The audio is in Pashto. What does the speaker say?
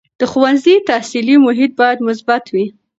د ښوونځي تحصیلي محیط باید مثبت وي.